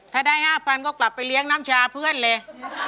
ถ้าได้๕๐๐ก็กลับไปเลี้ยงน้ำชาเพื่อนเลย